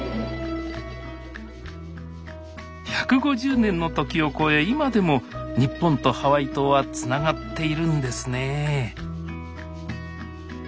１５０年の時を超え今でも日本とハワイ島はつながっているんですね